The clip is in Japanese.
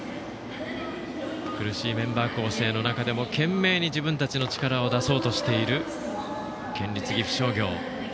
苦しいメンバー構成の中でも懸命に自分たちの力を出そうとしている県立岐阜商業。